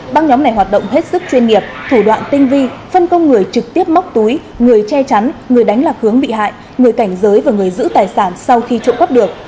băng nhóm này hoạt động hết sức chuyên nghiệp thủ đoạn tinh vi phân công người trực tiếp móc túi người che chắn người đánh lạc hướng bị hại người cảnh giới và người giữ tài sản sau khi trộm cắp được